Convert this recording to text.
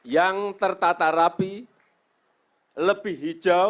yang tertata rapi lebih hijau